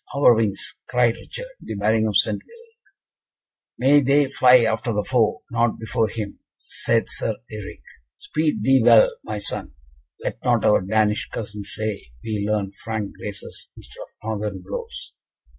our wings!" cried Richard, "the bearing of Centeville!" "May they fly after the foe, not before him," said Sir Eric. "Speed thee well, my son let not our Danish cousins say we learn Frank graces instead of Northern blows."